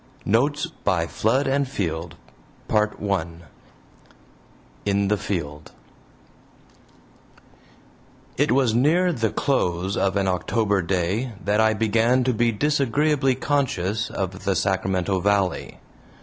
NOTES BY FLOOD AND FIELD PART I IN THE FIELD It was near the close of an October day that I began to be disagreeably conscious of the Sacramento Valley.